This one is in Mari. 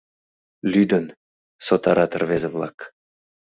Лӱдын! — сотарат рвезе-влак.